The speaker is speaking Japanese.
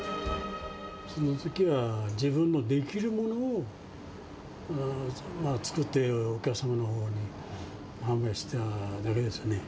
そのときは自分のできるものを作って、お客様のほうに販売しただけですよね。